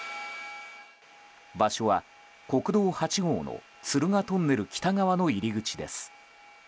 場所は国道８号の敦賀トンネル北側の入り口です。